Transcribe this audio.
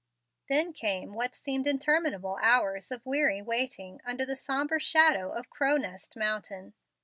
Then came what seemed interminable hours of weary waiting under the sombre shadow of "Cro' Nest" mountain.